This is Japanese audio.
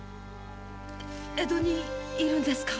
江戸にいるんですか？